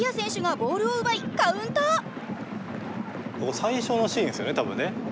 最初のシーンですよね多分ね。